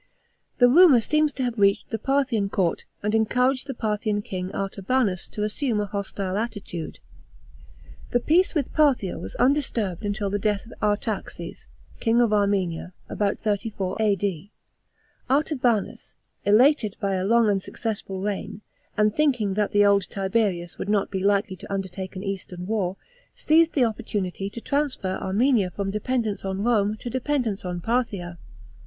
The rumour seems to have reached the Parthian court and en couraged the Parthian king Artabanus to assume a hostile attitude. The peace with Parthia was undisturbed until the death of Artaxes, king of Armenia, about 34: A.D. Artabanus, elated by a long and successful rehn. and thinking that the old Tiberius would not be likely to undertake an eastern war, seized the opportunity to transfer Armenia from dependence on Rome to dependence on Parthia.